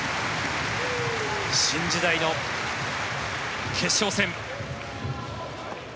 新時代の決勝戦。